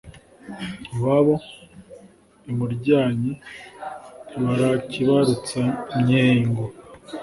Iwabo i Muryanyi ntibarakibarutsa Myengo.